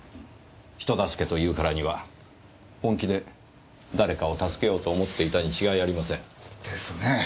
人助けというからには本気で誰かを助けようと思っていたに違いありません。ですね。